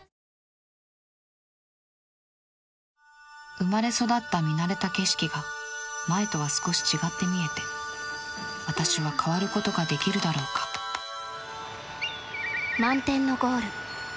生まれ育った見慣れた景色が前とは少し違って見えて私は変わることができるだろうか「満天のゴール」。